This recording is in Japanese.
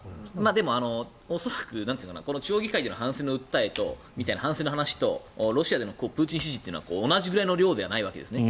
でも、恐らくこの中央議会での反戦の訴えみたいな反戦の話とロシアでのプーチン支持は同じくらいの量ではないわけですね。